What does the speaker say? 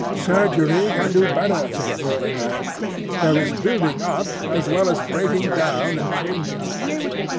Surgery can do better things than that. There is building up as well as breaking down and changing.